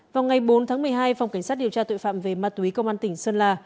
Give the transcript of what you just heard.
vào ngày bốn tháng một mươi hai phòng cảnh sát điều tra tội phạm về ma túy công an tỉnh sơn la